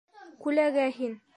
- Күләгә һин!